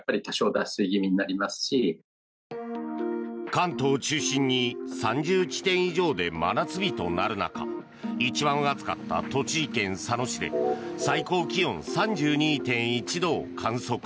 関東を中心に３０地点以上で真夏日となる中一番暑かった栃木県佐野市で最高気温３２．１度を観測。